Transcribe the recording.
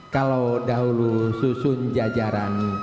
kalau dahulu susun jajaran